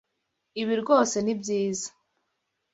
Ibi rwose ni byiza.